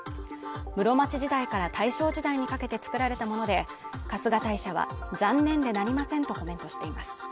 室町時代から大正時代にかけて作られたもので春日大社は残念でなりませんとコメントしています